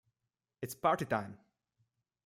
It's party time!